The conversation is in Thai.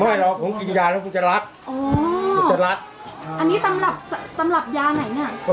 ไม่หรอกผมกินยาแล้วคุณจะรักอ๋อคุณจะรักอันนี้ตำรับตำรับยาไหนน่ะ